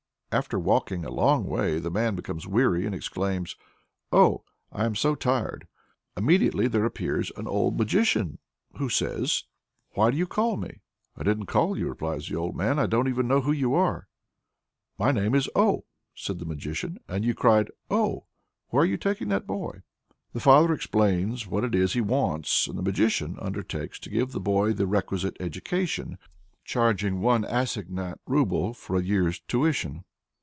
After walking a long way the man becomes weary and exclaims, "Oh! I'm so tired!" Immediately there appears "an old magician," who says "Why do you call me?" "I didn't call you," replies the old man. "I don't even know who you are." "My name is Oh," says the magician, "and you cried 'Oh!' Where are you taking that boy?" The father explains what it is he wants, and the magician undertakes to give the boy the requisite education, charging "one assignat rouble" for a year's tuition.